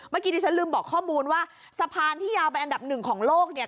ที่ฉันลืมบอกข้อมูลว่าสะพานที่ยาวเป็นอันดับหนึ่งของโลกเนี่ย